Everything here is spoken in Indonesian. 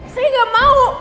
saya gak mau